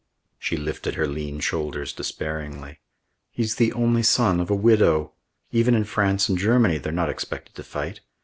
She lifted her lean shoulders despairingly. "He's the only son of a widow. Even in France and Germany they're not expected to fight.